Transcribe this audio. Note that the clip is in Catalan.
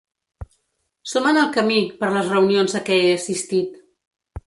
Som en el camí, per les reunions a què he assistit.